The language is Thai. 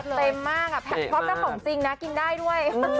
เต็มมากพร้อมเจ้าของจริงนะกินได้ด้วย